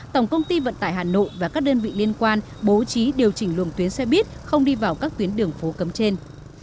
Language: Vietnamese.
tổng công ty vận tải hà nội và các đơn vị liên quan bố trí điều chỉnh luồng tuyến xe buýt không đi vào các tuyến đường phố cấm trên